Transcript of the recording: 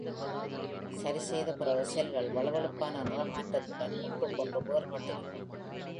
சரிசெய்த பிறகு, செல்கள் வழுவழுப்பான நிறமாற்றத்துடன் ஒன்றுக்கொன்று வேறுபட்டிருக்கும்.